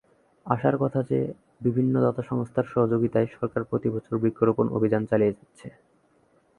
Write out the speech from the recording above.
আশার কথা যে, বিভিন্ন দাতা সংস্থার সহযোগিতায় সরকার প্রতিবছর বৃক্ষরোপন অভিযান চলিয়ে যাচ্ছে।